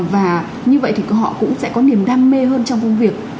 và như vậy thì họ cũng sẽ có niềm đam mê hơn trong công việc